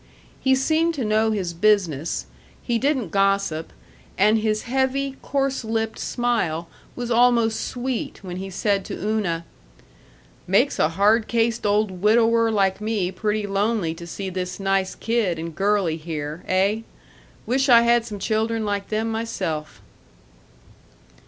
He seemed to know his business, he didn't gossip, and his heavy, coarse lipped smile was almost sweet when he said to Una, "Makes a hard cased old widower like me pretty lonely to see this nice kid and girly here. Eh? Wish I had some children like them myself."